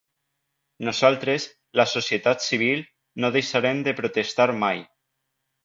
Nosaltres, la societat civil, no deixarem de protestar mai.